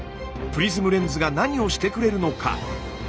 プリズムレンズが何をしてくれるのか？